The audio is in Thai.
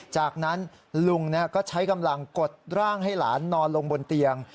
จากนั้นลุงก็ใช้กำลังกดร่างให้หลานนอนลงบนเตียง